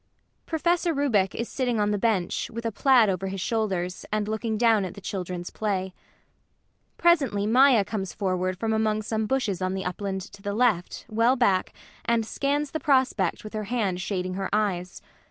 [PROFESSOR RUBEK is sitting on the bench, with a plaid over his shoulders, and looking down at the children's play. [Presently, MAIA comes forward from among some bushes on the upland to the left, well back, and scans the prospect with her hand shading her eyes.